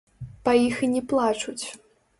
Па іх і не плачуць.